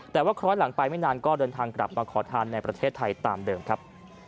แต่ว่าคล้อยหลังไปไม่นานก็เดินทางกลับมาขอทานในประเทศไทยตามเดิมครับ